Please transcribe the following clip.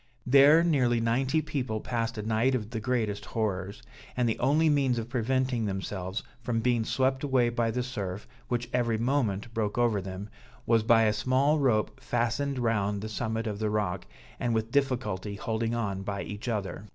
There nearly ninety people passed a night of the greatest horrors; and the only means of preventing themselves from being swept away by the surf, which every moment broke over them, was by a small rope fastened round the summit of the rock, and with difficulty holding on by each other.